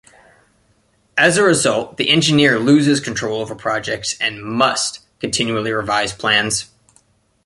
As a result, the engineer loses control over projects and must continually revise plans.